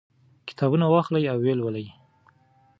کتابونه واخلئ او ویې لولئ.